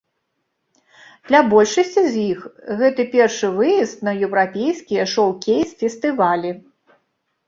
Для большасці з іх гэты першы выезд на еўрапейскія шоўкейс-фестывалі.